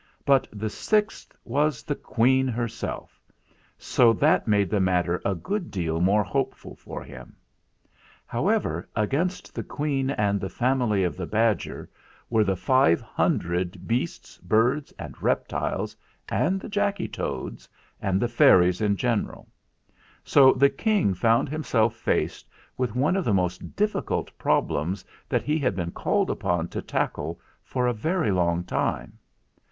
But the sixth was the Queen her self, so that made the matter a good deal more hopeful for him. However, against the Queen and the family of the badger were the five hun dred beasts, birds, and reptiles, and the Jacky Toads, and the fairies in general, so the King found himself faced with one of the most dif 296 THE FLINT HEART ficult problems that he had been called upon to tackle for a very long time.